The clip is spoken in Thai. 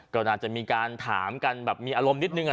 ก็น่าจะมีการถามกันแบบมีอารมณ์นิดนึง